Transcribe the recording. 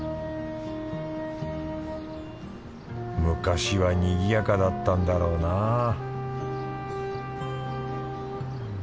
昔はにぎやかだったんだろうなぁ